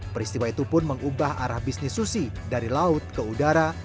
peristiwa itu pun mengubah arah bisnis susi dari laut ke udara